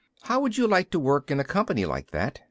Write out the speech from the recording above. "How would you like to work in a company like that?"